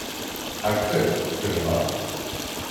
I could, couldn't I?